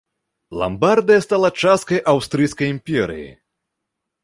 Ламбардыя стала часткай аўстрыйскай імперыі.